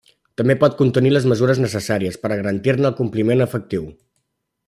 També pot contenir les mesures necessàries per a garantir-ne el compliment efectiu.